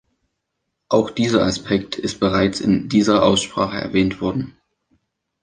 Auch dieser Aspekt ist bereits in dieser Aussprache erwähnt worden.